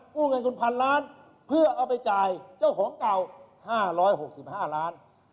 เงินคุณพันล้านเพื่อเอาไปจ่ายเจ้าของเก่า๕๖๕ล้าน